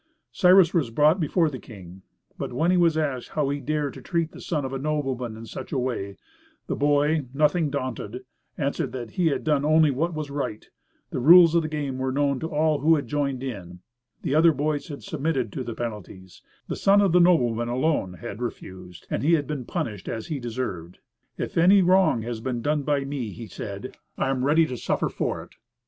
Cyrus was brought before the king; but when he was asked how he had dared to treat the son of a nobleman in such a way, the boy, nothing daunted, answered that he had done only what was right: the rules of the game were known to all who had joined in it: the other boys had submitted to the penalties: the son of the nobleman alone had refused, and he had been punished as he deserved. "If any wrong has been done by me," he said, "I am ready to suffer for it."